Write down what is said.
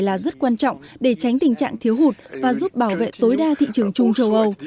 là rất quan trọng để tránh tình trạng thiếu hụt và giúp bảo vệ tối đa thị trường chung châu âu